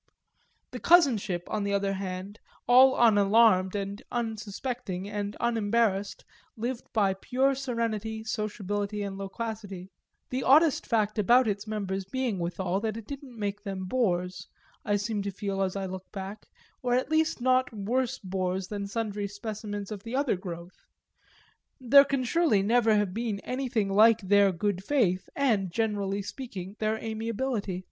The cousinship, on the other hand, all unalarmed and unsuspecting and unembarrassed, lived by pure serenity, sociability and loquacity; the oddest fact about its members being withal that it didn't make them bores, I seem to feel as I look back, or at least not worse bores than sundry specimens of the other growth. There can surely never have been anything like their good faith and, generally speaking, their amiability.